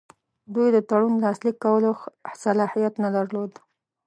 دوی د تړون لاسلیک کولو صلاحیت نه درلود.